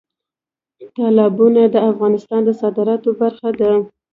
تالابونه د افغانستان د صادراتو برخه ده.